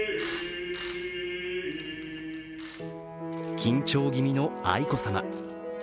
緊張ぎみの愛子さま。